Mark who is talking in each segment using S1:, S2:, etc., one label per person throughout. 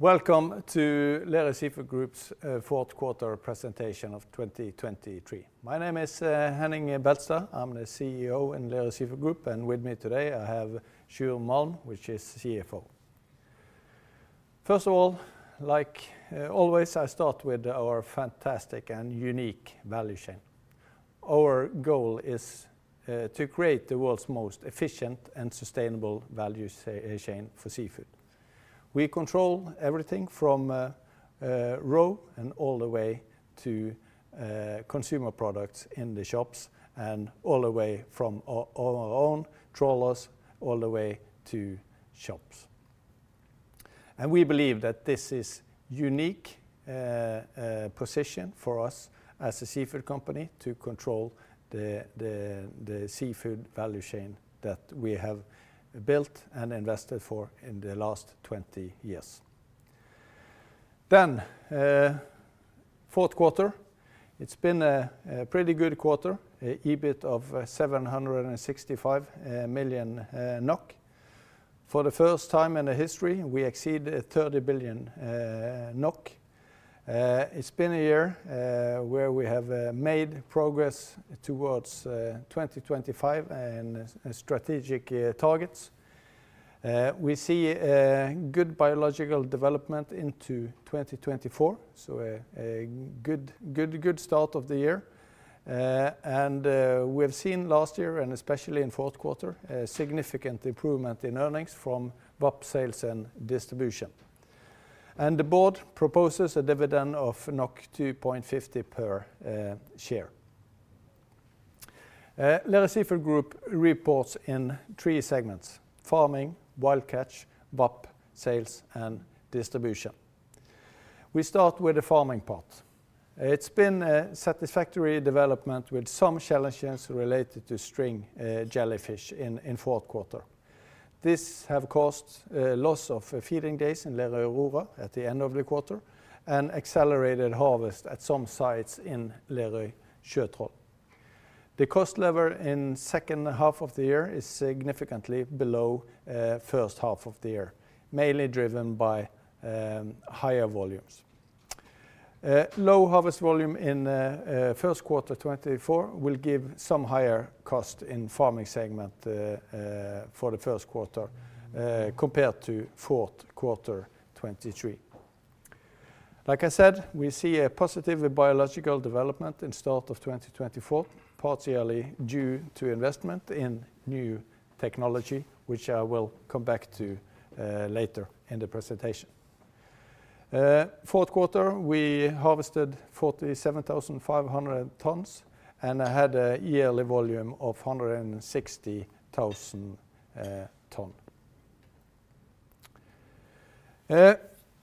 S1: Welcome to Lerøy Seafood Group's fourth quarter presentation of 2023. My name is Henning Beltestad, I'm the CEO in Lerøy Seafood Group, and with me today I have Sjur Malm, which is CFO. First of all, like always, I start with our fantastic and unique value chain. Our goal is to create the world's most efficient and sustainable value chain for seafood. We control everything from raw and all the way to consumer products in the shops, and all the way from our own trawlers all the way to shops. And we believe that this is a unique position for us as a seafood company to control the seafood value chain that we have built and invested for in the last 20 years. Then, fourth quarter. It's been a pretty good quarter, EBIT of 765 million NOK. For the first time in the history we exceeded 30 billion NOK. It's been a year where we have made progress towards 2025 and strategic targets. We see good biological development into 2024, so a good start of the year. We've seen last year and especially in fourth quarter a significant improvement in earnings from VAP sales and distribution. The board proposes a dividend of 2.50 per share. Lerøy Seafood Group reports in three segments: farming, wild catch, VAP sales and distribution. We start with the farming part. It's been a satisfactory development with some challenges related to string jellyfish in fourth quarter. This has caused loss of feeding days in Lerøy Aurora at the end of the quarter, and accelerated harvest at some sites in Lerøy Sjøtroll. The cost level in the second half of the year is significantly below the first half of the year, mainly driven by higher volumes. Low harvest volume in first quarter 2024 will give some higher cost in farming segment for the first quarter compared to fourth quarter 2023. Like I said, we see a positive biological development in start of 2024, partially due to investment in new technology which I will come back to later in the presentation. Fourth quarter we harvested 47,500 tons and had a yearly volume of 160,000 tons.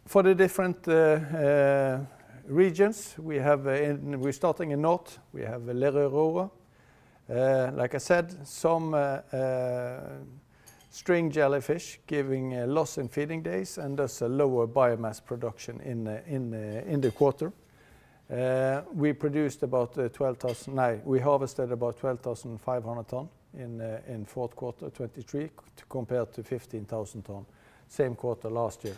S1: For the different regions we have starting in north we have Lerøy Aurora. Like I said, some string jellyfish giving loss in feeding days and thus a lower biomass production in the quarter. We harvested about 12,500 tons in fourth quarter 2023 compared to 15,000 tons, same quarter last year.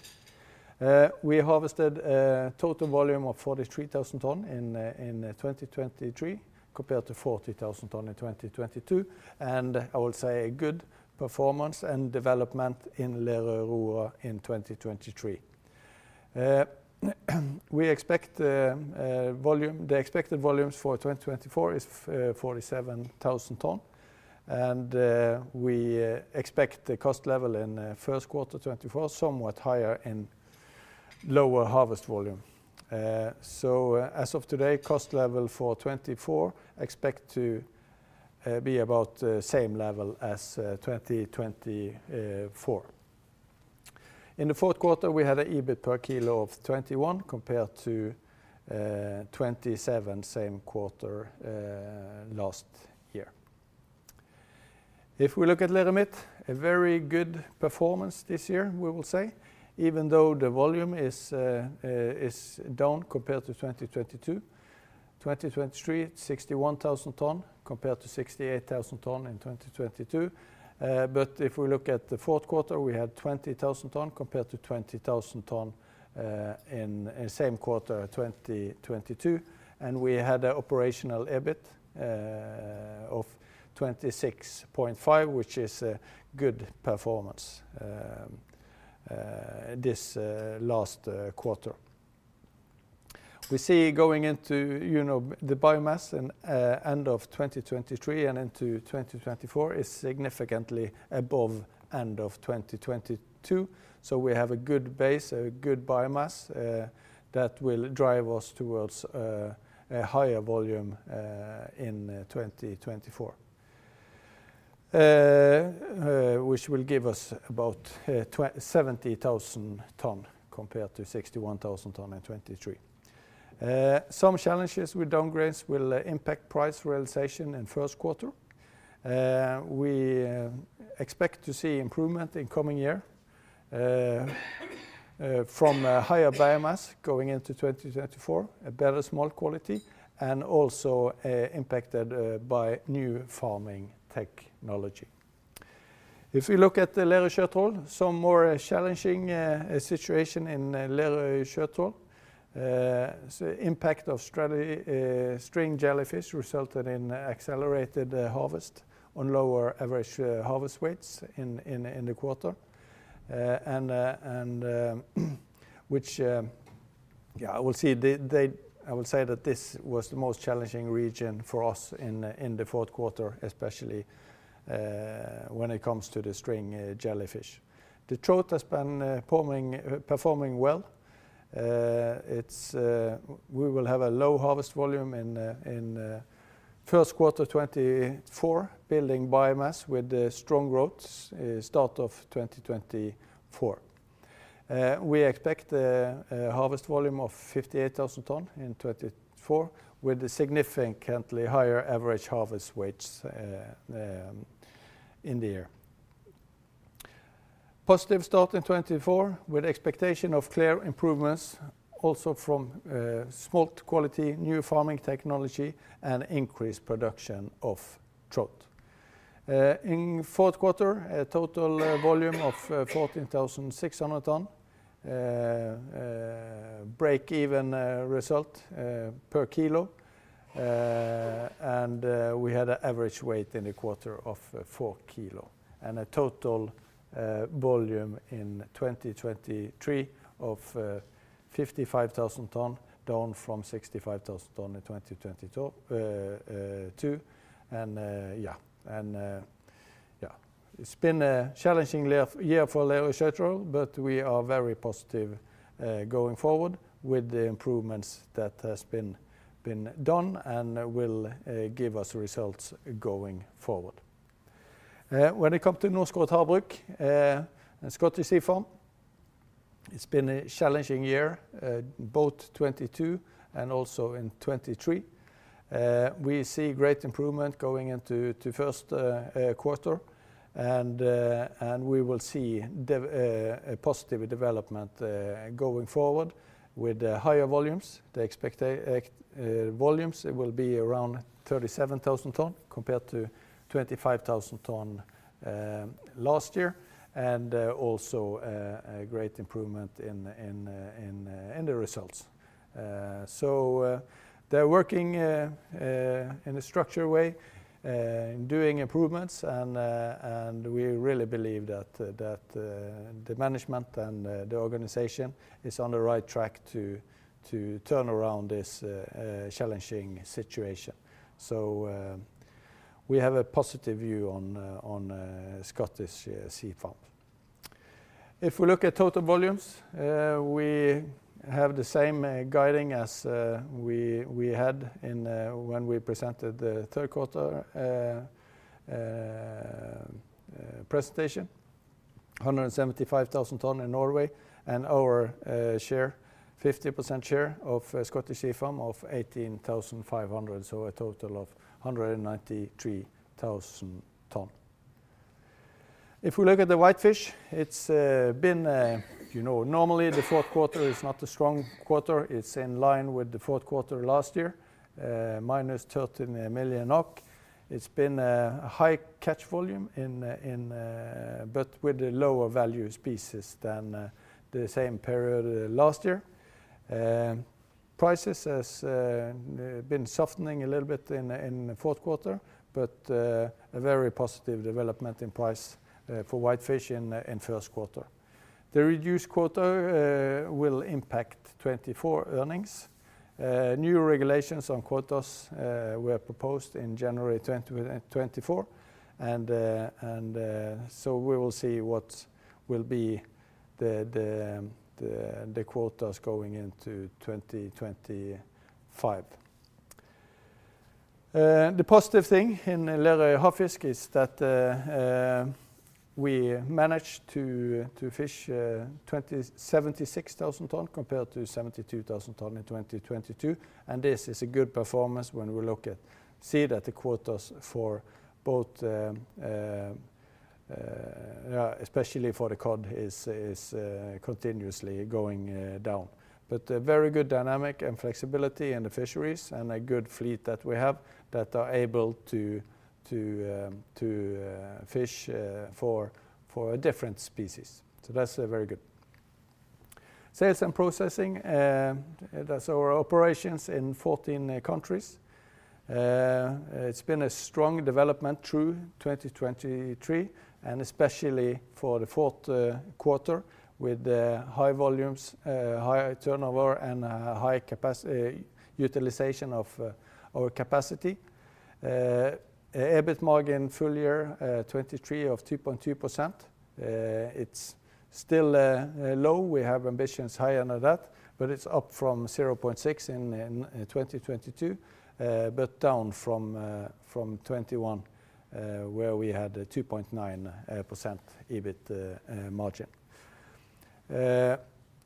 S1: We harvested a total volume of 43,000 tons in 2023 compared to 40,000 tons in 2022, and I will say a good performance and development in Lerøy Aurora in 2023. The expected volumes for 2024 is 47,000 tons. We expect the cost level in first quarter 2024 somewhat higher in lower harvest volume. As of today cost level for 2024 expect to be about the same level as 2024. In the fourth quarter we had an EBIT per kilo of 21 compared to 27 same quarter last year. If we look at Lerøy Midt, a very good performance this year we will say, even though the volume is down compared to 2022. 2023 61,000 tons compared to 68,000 tons in 2022. If we look at the fourth quarter we had 20,000 tons compared to 20,000 tons in same quarter 2022. We had an operational EBIT of 26.5 which is a good performance this last quarter. We see going into the biomass end of 2023 and into 2024 is significantly above end of 2022. So we have a good base, a good biomass that will drive us towards higher volume in 2024. Which will give us about 70,000 tons compared to 61,000 tons in 2023. Some challenges with downgrades will impact price realization in first quarter. We expect to see improvement in coming year from higher biomass going into 2024, better smolt quality, and also impacted by new farming technology. If we look at Lerøy Sjøtroll, some more challenging situation in Lerøy Sjøtroll. Impact of stinging jellyfish resulted in accelerated harvest on lower average harvest weights in the quarter. And I will say that this was the most challenging region for us in the fourth quarter especially when it comes to the stinging jellyfish. The trout have been performing well. We will have a low harvest volume in first quarter 2024 building biomass with strong growth start of 2024. We expect a harvest volume of 58,000 tons in 2024 with significantly higher average harvest weights in the year. Positive start in 2024 with expectation of clear improvements also from smolt quality, new farming technology and increased production of trout. In fourth quarter a total volume of 14,600 tons. Break-even result per kilo. We had an average weight in the quarter of 4 kilos. A total volume in 2023 of 55,000 tons down from 65,000 tons in 2022. And yeah, it's been a challenging year for Lerøy Sjøtroll but we are very positive going forward with the improvements that have been done and will give us results going forward. When it comes to Norskott Havbruk, Scottish Sea Farms, it's been a challenging year both 2022 and also in 2023. We see great improvement going into first quarter. We will see positive development going forward with higher volumes. The expected volumes will be around 37,000 tons compared to 25,000 tons last year. And also a great improvement in the results. So they're working in a structured way, doing improvements, and we really believe that the management and the organization is on the right track to turn around this challenging situation. So we have a positive view on Scottish Sea Farms. If we look at total volumes, we have the same guiding as we had when we presented the third quarter presentation. 175,000 tons in Norway and our share, 50% share of Scottish Sea Farms of 18,500, so a total of 193,000 tons. If we look at the whitefish, it's been normally the fourth quarter is not a strong quarter, it's in line with the fourth quarter last year, minus 13 million NOK. It's been a high catch volume but with lower value species than the same period last year. Prices have been softening a little bit in fourth quarter, but a very positive development in price for whitefish in first quarter. The reduced quota will impact 2024 earnings. New regulations on quotas were proposed in January 2024. So we will see what will be the quotas going into 2025. The positive thing in Lerøy Havfisk is that we managed to fish 276,000 tons compared to 72,000 tons in 2022. This is a good performance when we look at see that the quotas for both, especially for the cod, is continuously going down. But very good dynamic and flexibility in the fisheries and a good fleet that we have that are able to fish for different species. So that's very good. Sales and processing, that's our operations in 14 countries. It's been a strong development through 2023 and especially for the fourth quarter with high volumes, high turnover and high utilization of our capacity. EBIT margin full year 2023 of 2.2%. It's still low, we have ambitions higher than that, but it's up from 0.6% in 2022 but down from 2021 where we had 2.9% EBIT margin.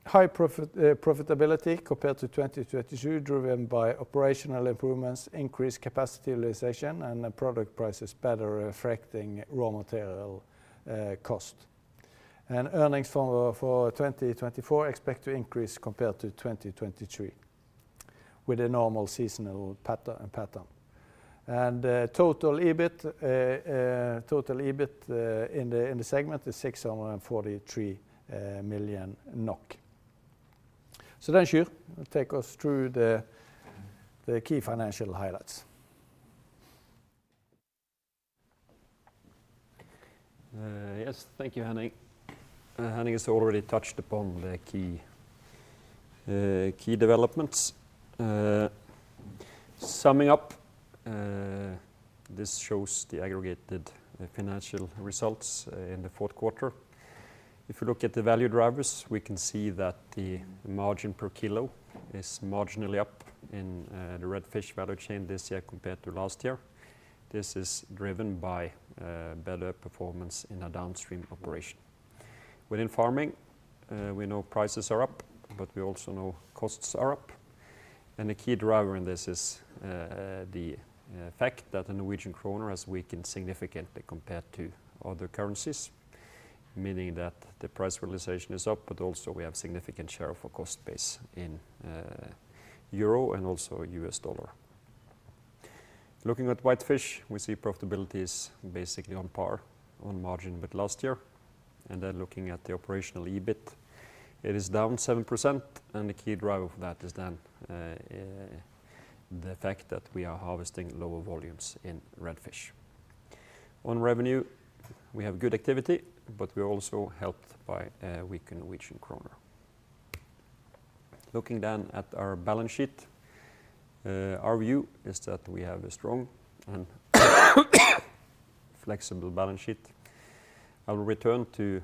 S1: High profitability compared to 2022 driven by operational improvements, increased capacity utilization and product prices better affecting raw material cost. Earnings for 2024 expect to increase compared to 2023 with a normal seasonal pattern. Total EBIT in the segment is 643 million NOK. So then Sjur, take us through the key financial highlights.
S2: Yes, thank you Henning. Henning has already touched upon the key developments. Summing up, this shows the aggregated financial results in the fourth quarter. If we look at the value drivers we can see that the margin per kilo is marginally up in the redfish value chain this year compared to last year. This is driven by better performance in a downstream operation. Within farming we know prices are up but we also know costs are up. And the key driver in this is the fact that the Norwegian krone has weakened significantly compared to other currencies. Meaning that the price realization is up but also we have significant share of a cost base in euro and also US dollar. Looking at whitefish we see profitability is basically on par, on margin with last year. And then looking at the operational EBIT it is down 7% and the key driver of that is then the fact that we are harvesting lower volumes in redfish. On revenue, we have good activity but we're also helped by a weakened Norwegian krone. Looking then at our balance sheet, our view is that we have a strong and flexible balance sheet. I will return to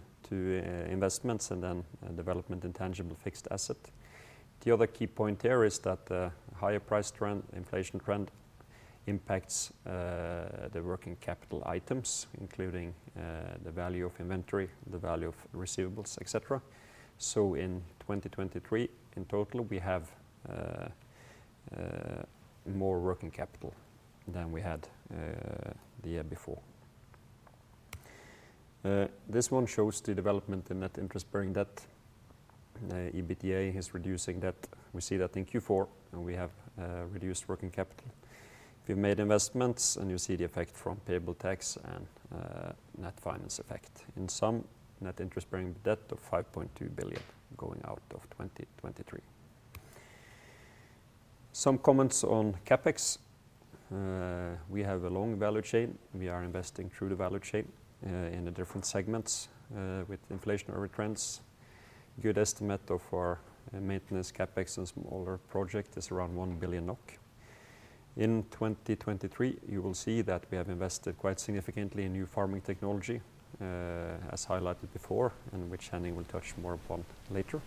S2: investments and then development in tangible fixed asset. The other key point here is that the higher price trend, inflation trend impacts the working capital items including the value of inventory, the value of receivables, etc. So in 2023 in total we have more working capital than we had the year before. This one shows the development in net interest bearing debt. EBITDA is reducing debt, we see that in Q4 and we have reduced working capital. If you've made investments and you see the effect from payable tax and net finance effect. In sum net interest bearing debt of 5.2 billion going out of 2023. Some comments on CapEx. We have a long value chain, we are investing through the value chain in the different segments with inflationary trends. Good estimate of our maintenance CapEx on smaller project is around 1 billion NOK. In 2023 you will see that we have invested quite significantly in new farming technology as highlighted before and which Henning will touch more upon later.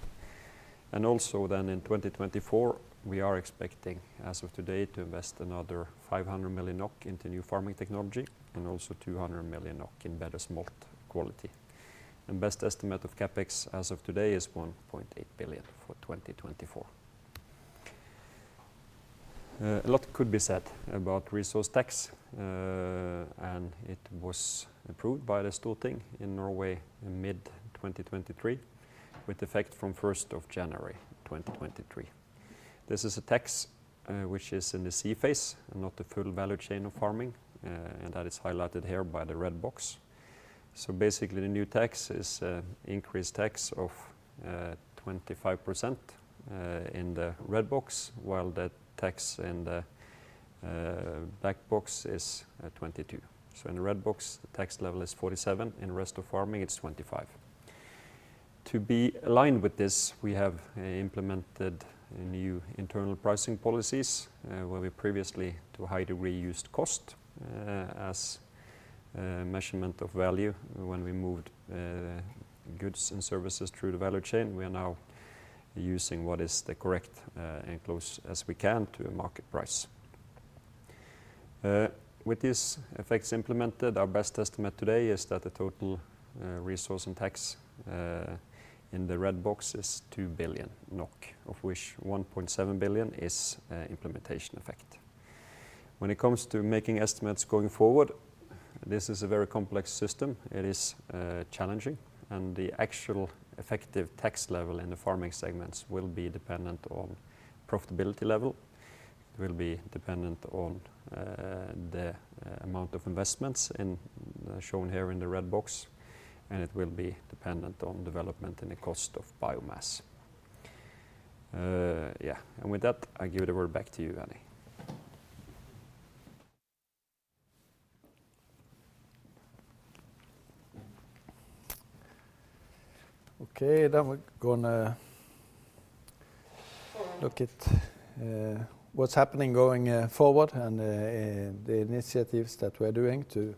S2: Also then in 2024 we are expecting as of today to invest another 500 million NOK into new farming technology and also 200 million NOK in better smolt quality. Best estimate of CapEx as of today is 1.8 billion for 2024. A lot could be said about resource tax. It was approved by the Storting in Norway mid-2023 with effect from 1st of January 2023. This is a tax which is in the sea phase and not the full value chain of farming. That is highlighted here by the red box. Basically the new tax is an increased tax of 25% in the red box while the tax in the black box is 22%. In the red box the tax level is 47%, in the rest of farming it's 25%. To be aligned with this we have implemented new internal pricing policies where we previously to a high degree used cost as measurement of value when we moved goods and services through the value chain. We are now using what is the closest as we can to a market price. With these effects implemented our best estimate today is that the total resource tax in the red box is 2 billion NOK of which 1.7 billion is implementation effect. When it comes to making estimates going forward, this is a very complex system. It is challenging and the actual effective tax level in the farming segments will be dependent on profitability level. It will be dependent on the amount of investments shown here in the red box. And it will be dependent on development in the cost of biomass. Yeah, and with that I give the word back to you Henning.
S1: Okay, then we're going to look at what's happening going forward and the initiatives that we're doing to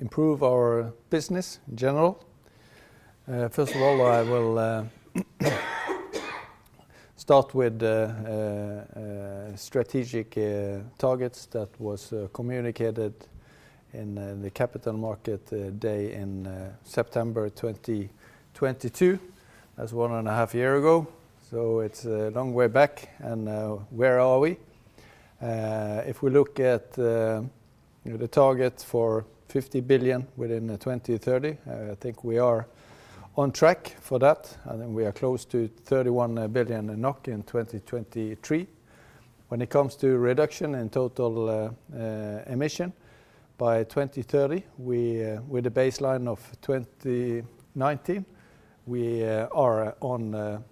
S1: improve our business in general. First of all I will start with strategic targets that was communicated in the capital market day in September 2022. That's one and a half years ago. So it's a long way back and where are we? If we look at the target for 50 billion within 2030, I think we are on track for that. I think we are close to 31 billion in 2023. When it comes to reduction in total emission, by 2030 with a baseline of 2019 we are on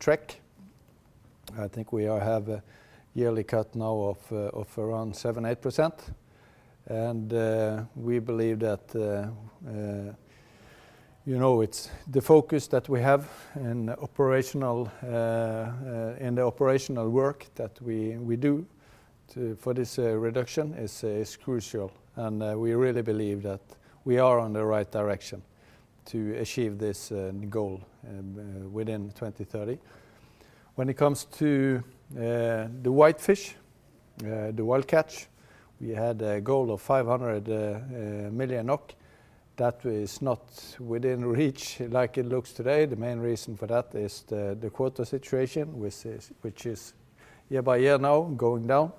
S1: track. I think we have a yearly cut now of around 7%-8%. And we believe that you know it's the focus that we have in the operational work that we do for this reduction is crucial. And we really believe that we are on the right direction to achieve this goal within 2030. When it comes to the whitefish, the wild catch, we had a goal of 500 million NOK. That is not within reach like it looks today. The main reason for that is the quota situation which is year by year now going down.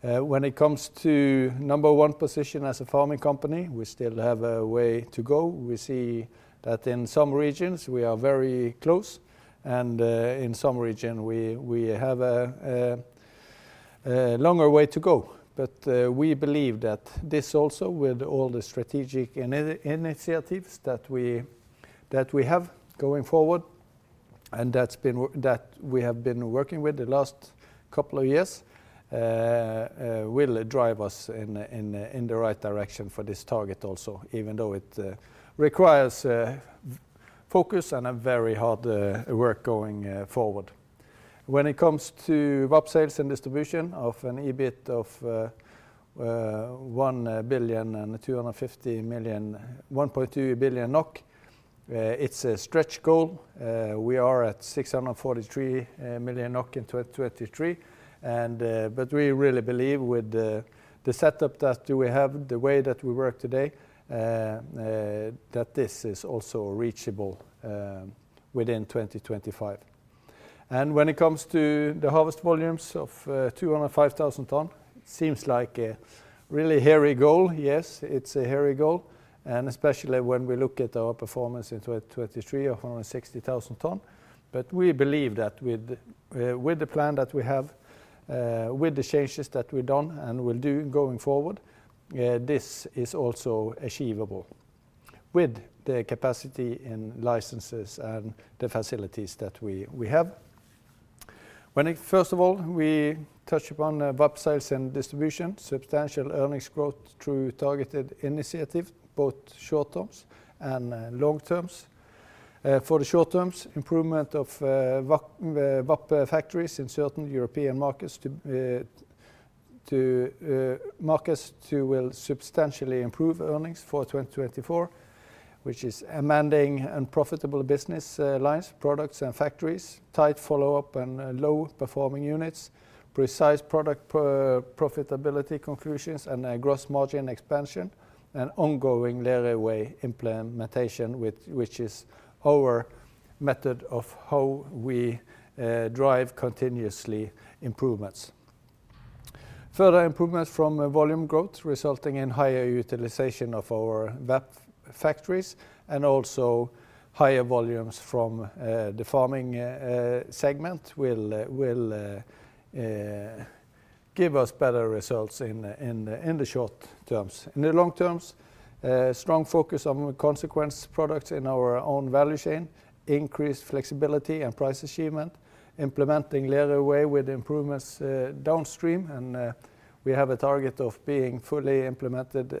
S1: When it comes to number one position as a farming company, we still have a way to go. We see that in some regions we are very close and in some region we have a longer way to go. But we believe that this also with all the strategic initiatives that we have going forward and that we have been working with the last couple of years will drive us in the right direction for this target also. Even though it requires focus and a very hard work going forward. When it comes to VAP sales and distribution of an EBIT of 1.2 billion NOK, it's a stretch goal. We are at 643 million NOK in 2023. But we really believe with the setup that we have, the way that we work today, that this is also reachable within 2025. And when it comes to the harvest volumes of 205,000 tons, it seems like a really hairy goal, yes, it's a hairy goal. Especially when we look at our performance in 2023 of 160,000 tons. But we believe that with the plan that we have, with the changes that we've done and we'll do going forward, this is also achievable. With the capacity in licenses and the facilities that we have. First of all, we touch upon VAP sales and distribution, substantial earnings growth through targeted initiatives, both short-term and long-term. For the short-term, improvement of VAP factories in certain European markets will substantially improve earnings for 2024. Which is amending unprofitable business lines, products and factories, tight follow-up and low-performing units, precise product profitability conclusions and gross margin expansion and ongoing Lerøy Way implementation which is our method of how we drive continuous improvements. Further improvements from volume growth resulting in higher utilization of our VAP factories and also higher volumes from the farming segment will give us better results in the short term. In the long term, strong focus on consequence products in our own value chain, increased flexibility and price achievement, implementing Lerøy Way with improvements downstream. We have a target of being fully implemented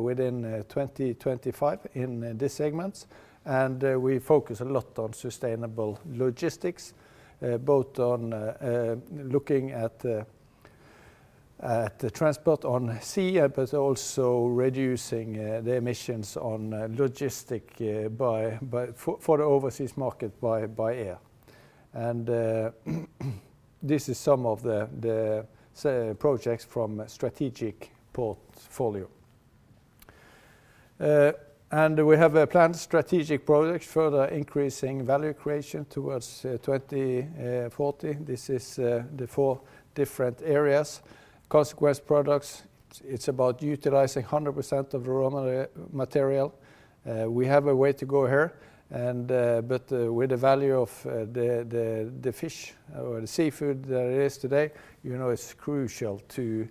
S1: within 2025 in these segments. We focus a lot on sustainable logistics, both on looking at transport on sea but also reducing the emissions on logistics for the overseas market by air. This is some of the projects from strategic portfolio. We have a planned strategic project further increasing value creation towards 2040. This is the four different areas. Consequence products, it's about utilizing 100% of the raw material. We have a way to go here but with the value of the fish or the seafood that it is today, you know it's crucial to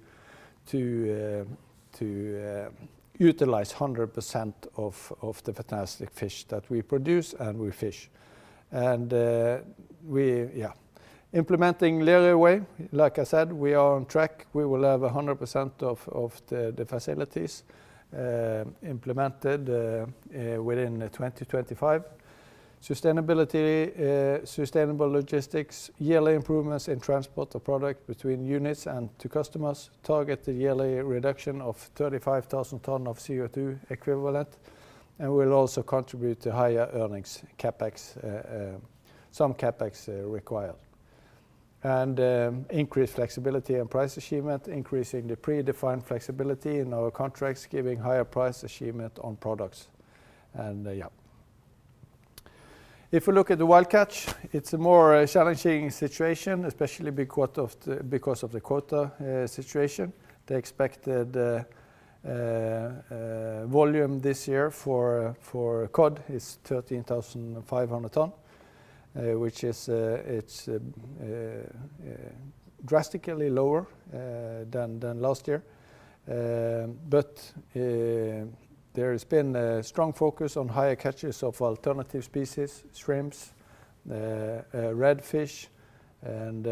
S1: utilize 100% of the fantastic fish that we produce and we fish. Yeah, implementing Lerøy Way, like I said, we are on track. We will have 100% of the facilities implemented within 2025. Sustainable logistics, yearly improvements in transport of product between units and to customers, targeted yearly reduction of 35,000 tonnes of CO2 equivalent. We'll also contribute to higher earnings CapEx, some CapEx required. And increased flexibility and price achievement, increasing the predefined flexibility in our contracts, giving higher price achievement on products. Yeah. If we look at the wild catch, it's a more challenging situation especially because of the quota situation. The expected volume this year for cod is 13,500 tonnes, which is drastically lower than last year. But there has been a strong focus on higher catches of alternative species, shrimps, redfish and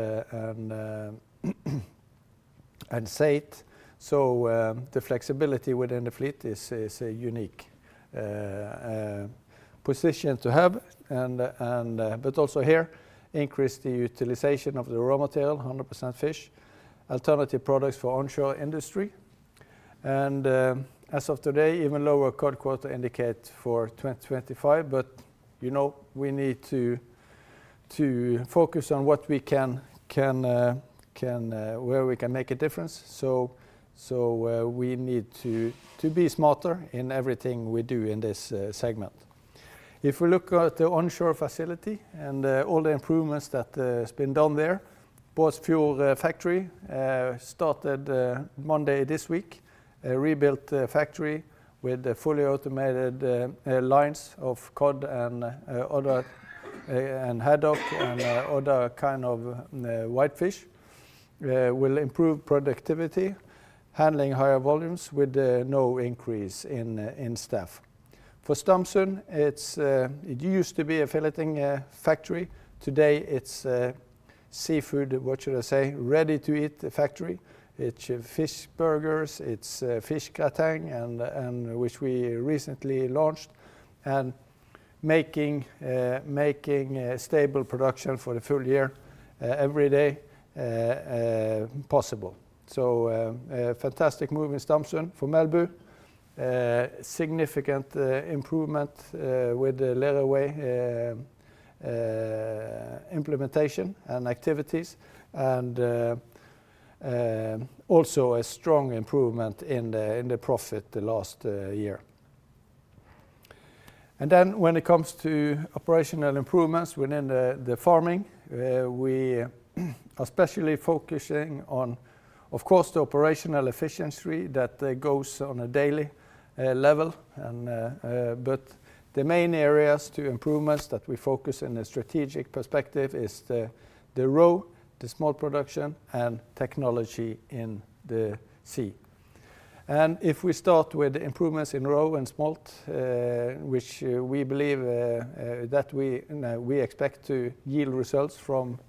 S1: saithe. So the flexibility within the fleet is a unique position to have. But also here, increase the utilization of the raw material, 100% fish, alternative products for onshore industry. And as of today even lower cod quota indicate for 2025 but you know we need to focus on what we can, where we can make a difference. So we need to be smarter in everything we do in this segment. If we look at the onshore facility and all the improvements that have been done there, both fillet factory started Monday this week, rebuilt factory with fully automated lines of cod and haddock and other kind of whitefish. Will improve productivity, handling higher volumes with no increase in staff. For Stamsund, it used to be a filleting factory; today it's a seafood—what should I say—ready-to-eat factory. It's fish burgers; it's fish gratin, which we recently launched. And making stable production for the full year every day possible. So fantastic move in Stamsund for Melbu. Significant improvement with Lerøy Way implementation and activities. And also a strong improvement in the profit the last year. And then when it comes to operational improvements within the farming, we are especially focusing on, of course, the operational efficiency that goes on a daily level. But the main areas to improvements that we focus in a strategic perspective is the roe, the smolt production and technology in the sea. And if we start with improvements in roe and smolt, which we believe that we expect to yield results from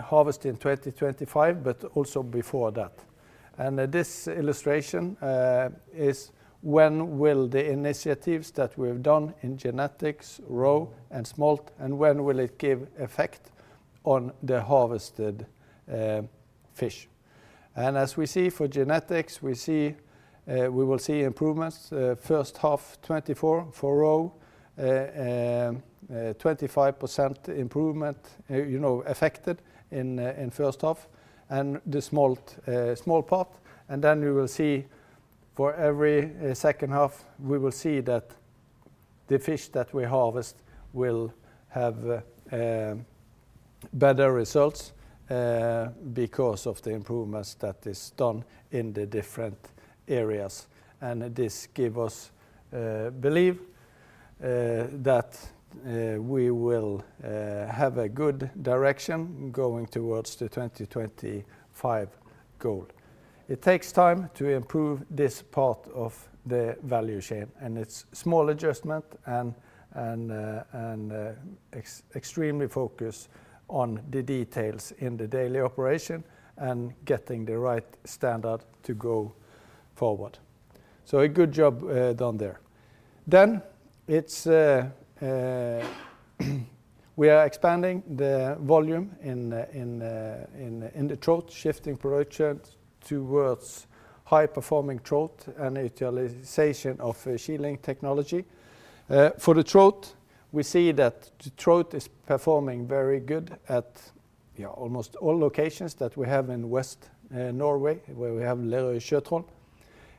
S1: harvest in 2025 but also before that. This illustration is when will the initiatives that we've done in genetics, roe and smolt, and when will it give effect on the harvested fish. As we see for genetics, we will see improvements first half 2024 for roe, 25% improvement you know affected in first half. And the smolt part. Then we will see for every second half we will see that the fish that we harvest will have better results because of the improvements that is done in the different areas. This gives us belief that we will have a good direction going towards the 2025 goal. It takes time to improve this part of the value chain. It's small adjustment and extremely focus on the details in the daily operation and getting the right standard to go forward. So a good job done there. Then we are expanding the volume in the trout, shifting production towards high performing trout and utilization of shielding technology. For the trout, we see that the trout is performing very good at almost all locations that we have in West Norway where we have Lerøy Sjøtroll.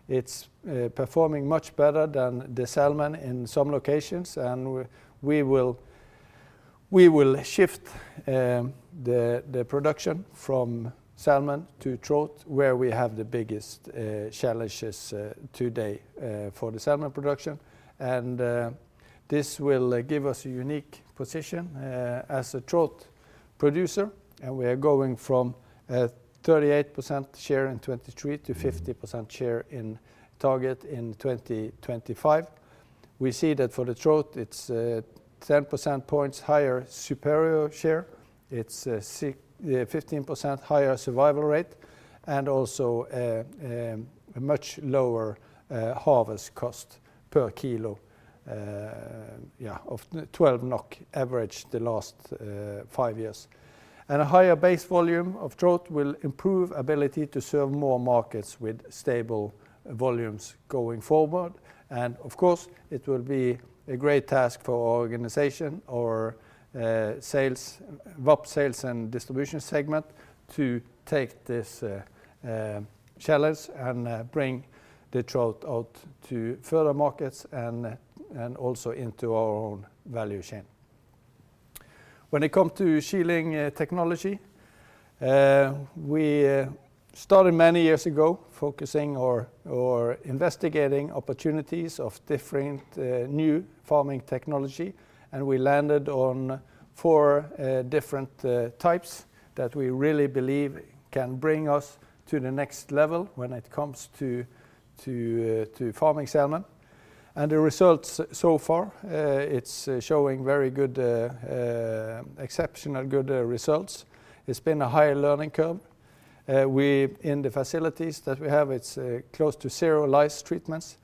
S1: It's performing much better than the salmon in some locations and we will shift the production from salmon to trout where we have the biggest challenges today for the salmon production. This will give us a unique position as a trout producer and we are going from a 38% share in 2023 to 50% share in target in 2025. We see that for the trout it's 10% points higher superior share, it's a 15% higher survival rate and also a much lower harvest cost per kilo of 12 NOK, average the last five years. A higher base volume of trout will improve ability to serve more markets with stable volumes going forward. Of course it will be a great task for our organization, our VAP sales and distribution segment to take this challenge and bring the trout out to further markets and also into our own value chain. When it comes to shielding technology, we started many years ago focusing or investigating opportunities of different new farming technology. We landed on 4 different types that we really believe can bring us to the next level when it comes to farming salmon. The results so far, it's showing very good, exceptionally good results. It's been a high learning curve. In the facilities that we have it's close to 0 lice treatments,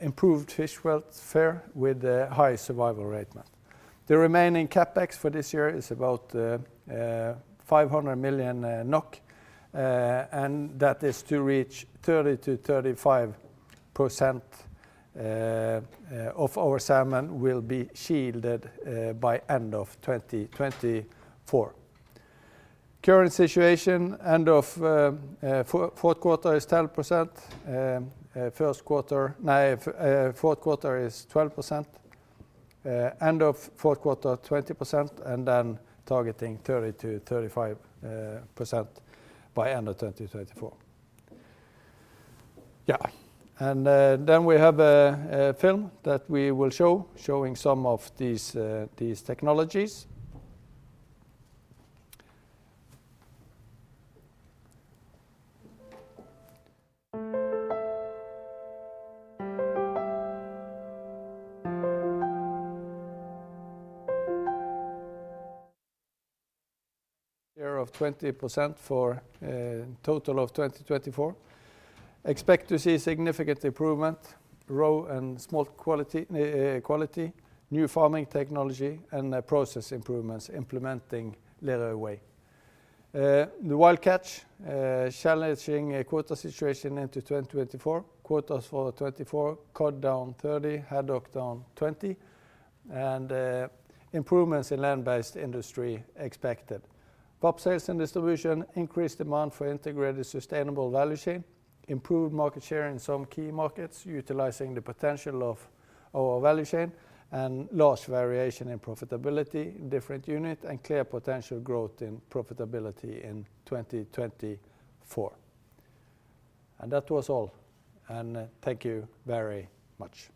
S1: improved fish welfare with a high survival rate. The remaining CapEx for this year is about 500 million NOK. That is to reach 30%-35% of our salmon will be shielded by end of 2024. Current situation, end of fourth quarter is 10%, first quarter is 12%, end of fourth quarter 20% and then targeting 30%-35% by end of 2024. Yeah. Then we have a film that we will show showing some of these technologies. Here of 20% for total of 2024. Expect to see significant improvement, roe and smolt quality, new farming technology and process improvements implementing Lerøy Way. The wild catch, challenging quota situation into 2024, quotas for 2024, cod down 30, haddock down 20. And improvements in land-based industry expected. VAP sales and distribution, increased demand for integrated sustainable value chain, improved market share in some key markets utilizing the potential of our value chain. And large variation in profitability in different unit and clear potential growth in profitability in 2024. That was all. Thank you very much.